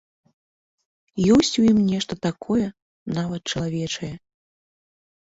Ёсць у ім нешта такое, нават чалавечае.